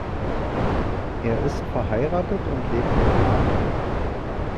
Er ist verheiratet und lebt in Aarau.